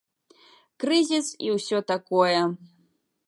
Крызіс і ўсё такое.